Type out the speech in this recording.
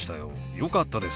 よかったです。